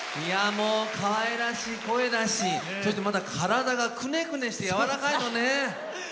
かわいらしい声だしそして、体がくねくねしてやわらかいのね！